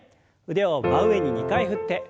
腕を真上に２回振って。